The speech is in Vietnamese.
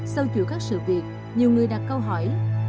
sau chuỗi các sự việc nhiều người đặt câu hỏi